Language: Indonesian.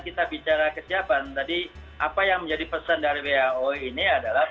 kita bicara kesiapan tadi apa yang menjadi pesan dari who ini adalah